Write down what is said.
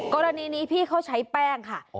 กรณีนี้พี่เขาใช้แป้งค่ะ